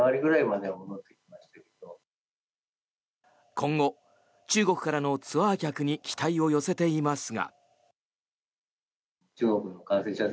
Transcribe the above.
今後、中国からのツアー客に期待を寄せていますが。